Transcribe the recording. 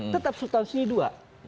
tetap substansi dua